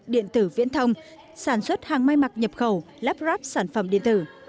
điện tử viễn thông sản xuất hàng may mặc nhập khẩu lắp ráp sản phẩm điện tử